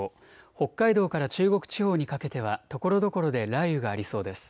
北海道から中国地方にかけてはところどころで雷雨がありそうです。